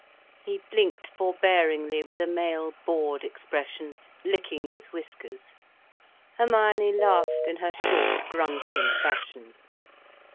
He blinked forbearingly, with a male, bored expression, licking his whiskers. Hermione laughed in her short, grunting fashion.